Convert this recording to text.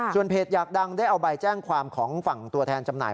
ส่วนเพจอยากดังได้เอาใบแจ้งความของฝั่งตัวแทนจำหน่าย